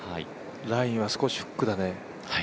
ラインは少しフックだね。